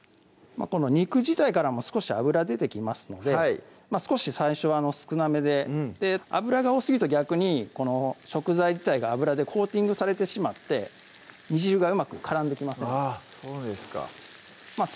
この肉自体からも少し脂出てきますので少し最初少なめで油が多すぎると逆に食材自体が油でコーティングされてしまって煮汁がうまく絡んできませんあぁ